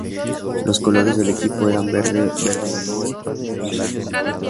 Los colores del equipo eran verde, verde limón y blanco.